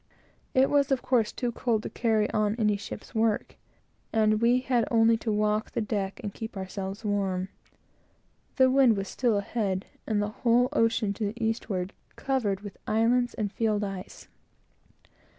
It was, of course, too cold to carry on any ship's work, and we had only to walk the deck and keep ourselves warm. The wind was still ahead, and the whole ocean, to the eastward, covered with islands and field ice.